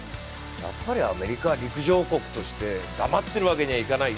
やっぱりアメリカ、陸上王国として黙っているわけにはいかない。